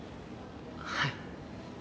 はい。